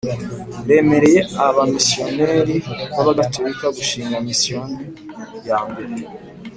remereye abamisiyonari b Abagatolika gushinga misiyoni ya mbere